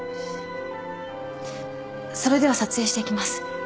それでは撮影していきます。